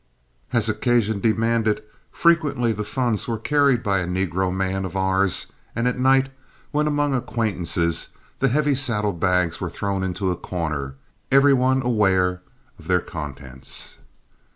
As occasion demanded, frequently the funds were carried by a negro man of ours, and at night, when among acquaintances, the heavy saddle bags were thrown into a corner, every one aware of their contents.